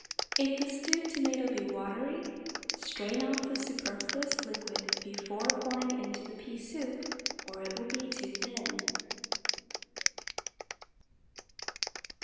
If the stewed tomato be watery, strain off the superfluous liquid before pouring into the pea soup, or it will be too thin.